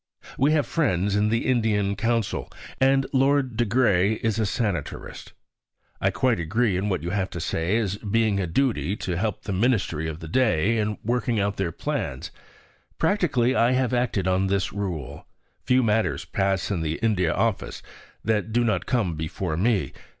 We have friends in the Indian Council, and Lord de Grey is a Sanitarist. I quite agree in what you say as to its being a duty to help the ministry of the day in working out their plans. Practically I have acted on this rule. Few matters pass in the India Office that do not come before me.